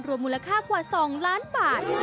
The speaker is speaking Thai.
มูลค่ากว่า๒ล้านบาท